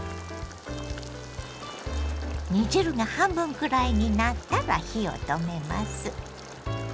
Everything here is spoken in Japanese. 煮汁が半分くらいになったら火を止めます。